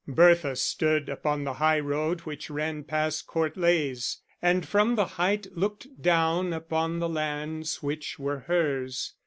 Bertha stood upon the high road which ran past Court Leys, and from the height looked down upon the lands which were hers.